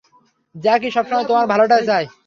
জ্যাকি, সবসময় তোমার ভালোটাই চাই।